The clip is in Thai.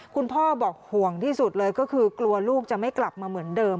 คุณพ่อบอกห่วงที่สุดเลยก็คือกลัวลูกจะไม่กลับมาเหมือนเดิม